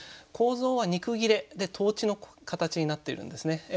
構造は二句切れで倒置の形になっているんですね。